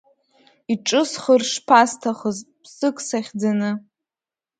Иҿысхыр шԥасҭахыз ԥсык сахьӡаны!